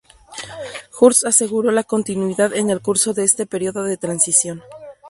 Hurst aseguró la continuidad en el curso de este período de transición.